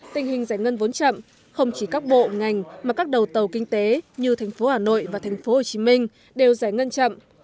tình hình giải ngân vốn chậm không chỉ các bộ ngành mà các đầu tàu kinh tế như thành phố hà nội và thành phố hồ chí minh đều giải ngân chậm